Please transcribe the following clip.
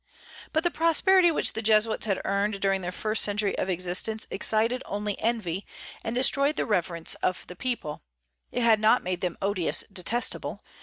But the prosperity which the Jesuits had earned during their first century of existence excited only envy, and destroyed the reverence of the people; it had not made them odious, detestable.